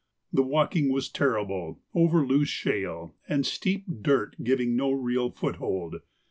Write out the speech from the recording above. The walking was terrible, over loose shale and steep dirt giving no real foothold.